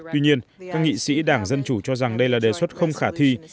tuy nhiên các nghị sĩ đảng dân chủ cho rằng đây là đề xuất không khả thi